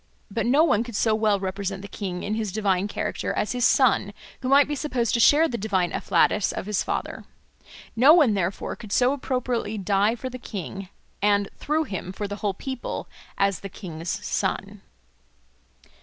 But no one could so well represent the king in his divine character as his son, who might be supposed to share the divine afflatus of his father. No one, therefore, could so appropriately die for the king and, through him, for the whole people, as the king's son.